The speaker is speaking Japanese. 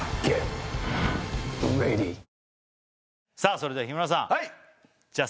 それでは日村さんはい！